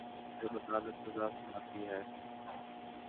جب عدالت سزا سناتی ہے۔